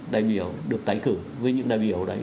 đại biểu được tái cử với những đại biểu đấy